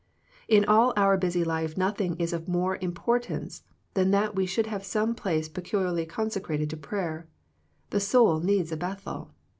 In all our busy life nothing is of more importance than that we should have some place peculiarly consecrated to prayer. The soul needs a Bethel.